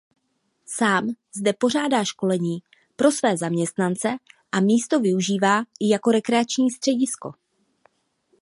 Sám zde pořádá školení pro své zaměstnance a místo využívá i jako rekreační středisko.